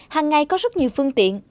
hằng ngày có rất nhiều phương tiện